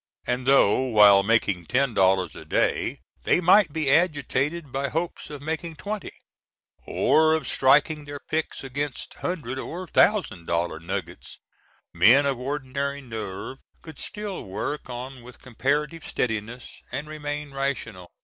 And though while making ten dollars a day they might be agitated by hopes of making twenty, or of striking their picks against hundred or thousand dollar nuggets, men of ordinary nerve could still work on with comparative steadiness, and remain rational.